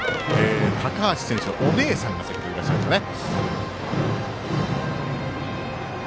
高橋選手のお姉さんが先ほど、いらっしゃいましたね。